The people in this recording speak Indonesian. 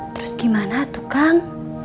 terus gimana tuh kang